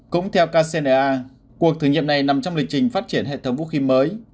cũng theo kcna cuộc thử nghiệm này nằm trong lịch trình phát triển hệ thống vũ khí mới